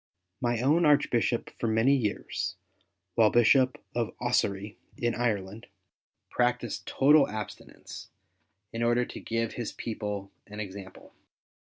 My own Archbishop, for many years, while Bishop of Ossory, in Ireland, practised total abstinence, in order to give his people an example.